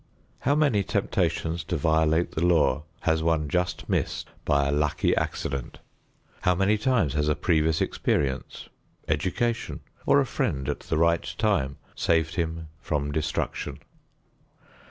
How many temptations to violate the law has one just missed by a lucky accident? How many times has a previous experience, education, or a friend at the right time saved him from destruction?